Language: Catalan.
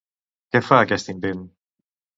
Què fa aquest invent?